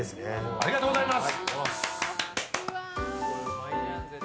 ありがとうございます。